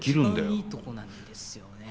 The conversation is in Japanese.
一番いいとこなんですよね。